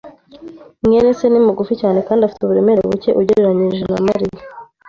mwene se ni mugufi cyane kandi afite uburemere buke ugereranije na Mariya.